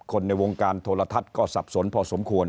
ในวงการโทรทัศน์ก็สับสนพอสมควร